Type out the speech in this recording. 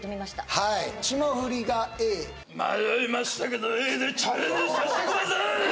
はい霜降りがＡ迷いましたけどＡでチャレンジさせてください！